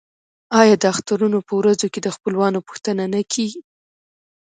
آیا د اخترونو په ورځو کې د خپلوانو پوښتنه نه کیږي؟